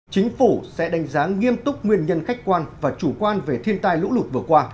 chính phủ sẽ đánh giá nghiêm túc nguyên nhân khách quan và chủ quan về thiên tai lũ lụt vừa qua